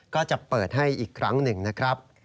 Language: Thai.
ก็จะเปิดให้อีกครั้งหนึ่งนะครับ